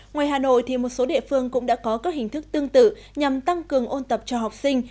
ngoài hà nội một số địa phương cũng đã có các hình thức tương tự nhằm tăng cường ôn tập cho học sinh